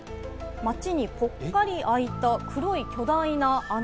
街にぽっかり空いた黒い巨大な穴。